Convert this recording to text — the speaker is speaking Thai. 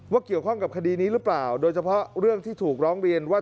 เกี่ยวข้องกับคดีนี้หรือเปล่าโดยเฉพาะเรื่องที่ถูกร้องเรียนว่า